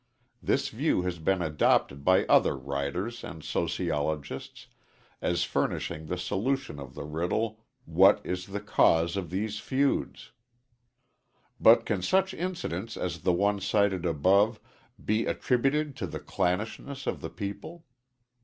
This view has been adopted by other writers and sociologists as furnishing the solution of the riddle: What is the cause of these feuds? But can such incidents as the one cited above be attributed to the clannishness of the people.